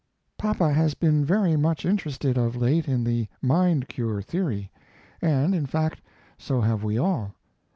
Papa has been very much interested of late in the "mind cure" theory. And, in fact, so have we all.